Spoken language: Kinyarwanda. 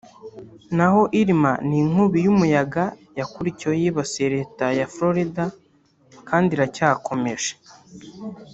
naho Irma ni inkubi y’umuyaga yakurikiyeho yibasiye Leta ya Florida kandi iracyakomeje